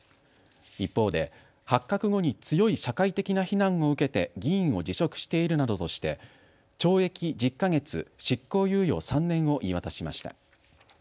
一方で、発覚後に強い社会的な非難を受けて議員を辞職しているなどとして懲役１０か月、執行猶予３年を言い渡しました。